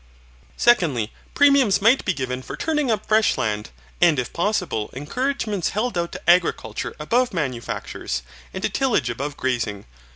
Secondly, premiums might be given for turning up fresh land, and it possible encouragements held out to agriculture above manufactures, and to tillage above grazing.